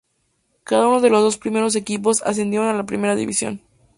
Cada uno de los dos primeros equipos ascendieron a la primera división.